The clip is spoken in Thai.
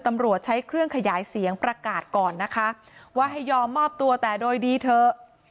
ตำรวจใช้เครื่องขยายเสียงประกาศก่อนนะคะว่าให้ยอมมอบตัวแต่โดยดีเถอะ